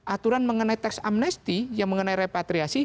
aturan mengenai teks amnesti yang mengenai repatriasi